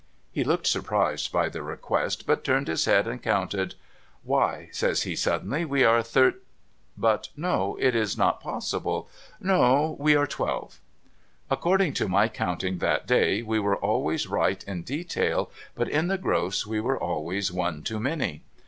He looked sur prised by the request, but turned his head and counted. ' Wh)',' says he, suddenly, ' we are Thirt —; but no, it's not possible. No. We are twelve.' According to my counting that day, we were always right in detail, but in the gross we were always one too many.